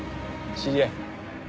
知り合い？